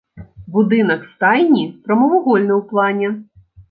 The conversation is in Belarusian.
Будынак стайні прамавугольны ў плане.